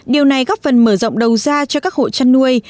điều này góp phần mở rộng đầu ra cho các hộ chăn nuôi